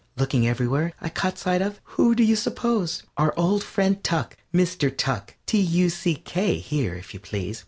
Looking everywhere, I caught sight of who do you suppose? Our old friend Tuk. Mr. Tuck, T u c k here, if you please.